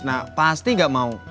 nah pasti nggak mau